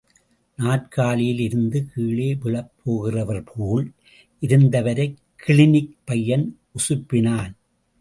நாற்காலியில் இருந்து கீழே விழப் போகிறவர்போல் இருந்தவரைக் கிளினிக் பையன் உசுப்பினான்.